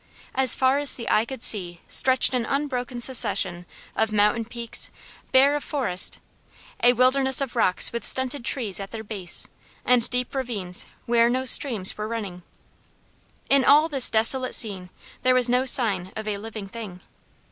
As far as the eye could see stretched an unbroken succession of mountain peaks, bare of forest a wilderness of rocks with stunted trees at their base, and deep ravines where no streams were running. In all this desolate scene there was no sign of a living thing.